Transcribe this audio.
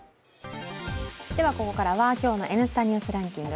ここからは今日の「Ｎスタ」ランキング。